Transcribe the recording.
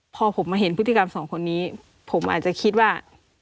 พอผมมาเห็นพฤติกรรมสองคนนี้ผมอาจจะคิดว่า